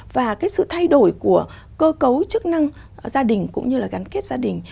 và cái sự thay đổi của cơ cấu chức năng gia đình cũng như là gắn kết gia đình